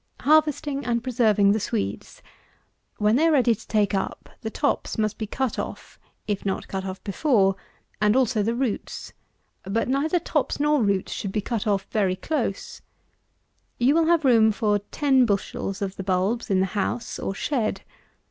130. Harvesting and preserving the Swedes. When they are ready to take up, the tops must be cut off, if not cut off before, and also the roots; but neither tops nor roots should be cut off very close. You will have room for ten bushels of the bulbs in the house, or shed.